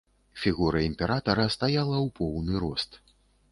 Фігура імператара стаяла ў поўны ўзрост.